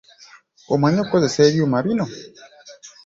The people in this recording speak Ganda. Omanyi okukozesa ebyuma bino?